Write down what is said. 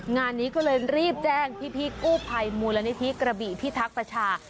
งานนี้ก็เลยรีบแจ้งพี่กู้ภัยมูลนิธิกระบี่พิทักษ์ประชา